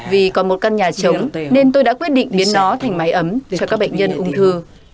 vì còn một căn nhà chống nên tôi đã quyết định biến nó thành mái ấm cho các bệnh nhân ung thư